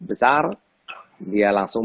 besar dia langsung